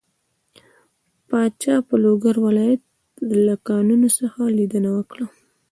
پاچا په لوګر ولايت له کانونو څخه ليدنه وکړه.